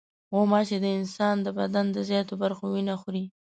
غوماشې د انسان د بدن د زیاتو برخو وینه خوري.